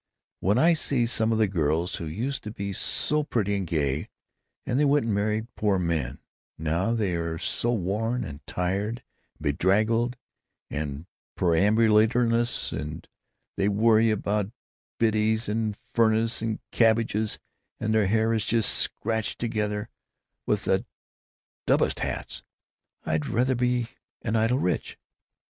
When I see some of the girls who used to be so pretty and gay, and they went and married poor men—now they are so worn and tired and bedraggled and perambulatorious, and they worry about Biddies and furnaces and cabbages, and their hair is just scratched together, with the dubbest hats—I'd rather be an idle rich."